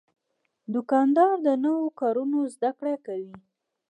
دوکاندار د نوو کارونو زدهکړه کوي.